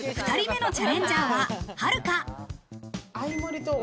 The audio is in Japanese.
２人目のチャレンジャーは、はるか。